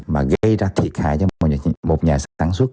mà gây ra thiệt hại cho một nhà sản xuất